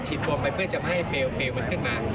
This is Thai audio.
ฉีดโฟมไปเพื่อจะไม่ให้เปลวเข้าขึ้นมา